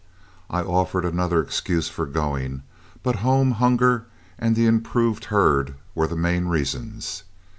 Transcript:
I offered other excuses for going, but home hunger and the improved herd were the main reasons.